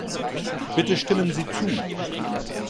Bitte stimmen Sie zu!